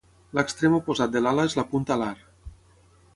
L'extrem oposat de l'ala és la punta alar.